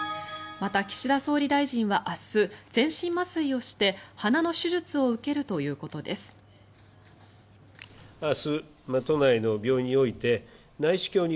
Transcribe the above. また、岸田総理大臣は明日全身麻酔をして鼻の手術を受けるということです。